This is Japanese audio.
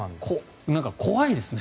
怖いですね。